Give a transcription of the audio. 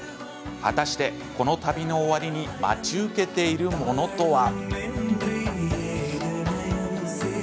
果たして、この旅の終わりに待ち受けているものとは？